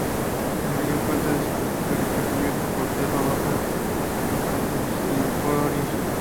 La mayor parte de su territorio está cubierta por selva baja caducifolia.